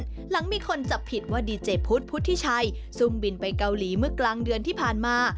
หลังมีคนจับผิดว่าดีเจพุทธพุทธิชัยซุ่มบินไปเกาหลีเมื่อกลางเดือนที่ผ่านมา